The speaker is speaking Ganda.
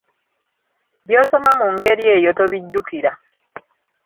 By'osoma mu ngeri eyo tobijjukira.